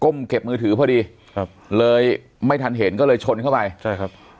เก็บมือถือพอดีครับเลยไม่ทันเห็นก็เลยชนเข้าไปใช่ครับ